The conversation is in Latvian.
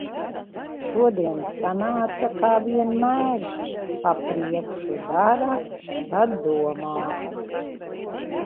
Šodien sanāca kā vienmēr - pa priekšu dara, tad domā.